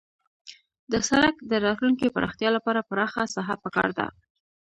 د سرک د راتلونکي پراختیا لپاره پراخه ساحه پکار ده